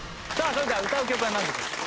それでは歌う曲はなんでしょうか？